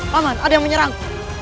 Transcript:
paman ada yang menyerang